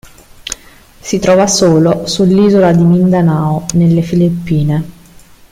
Si trova solo sull'isola di Mindanao nelle Filippine.